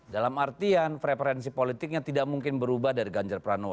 dalam artian preferensi politiknya tidak mungkin berubah dari ganjar pranowo